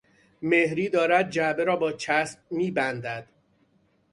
مهری دارد جعبه را با چسب میبندد.